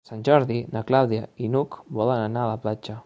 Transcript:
Per Sant Jordi na Clàudia i n'Hug volen anar a la platja.